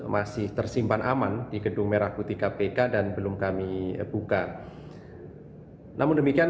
masih tersimpan aman di gedung merah kudus